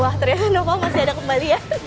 wah ternyata noval masih ada kembalian